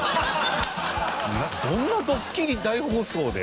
どんな『ドッキリ大放送！！』で。